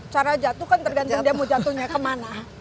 cara jatuh kan tergantung dia mau jatuhnya kemana